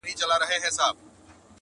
څومره ترخه مي وه ګڼلې، څه آسانه سوله!.